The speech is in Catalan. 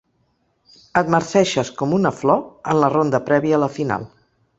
Et marceixes com una flor en la ronda prèvia a la final.